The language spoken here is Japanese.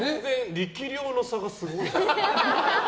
力量の差がすごいなって。